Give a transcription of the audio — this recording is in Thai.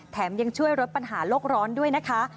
ยังช่วยลดปัญหาโลกร้อนด้วยนะคะ